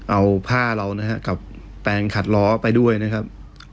เอาผ้าเรานะครับกับแปลงขัดล้อไปด้วยนะครับ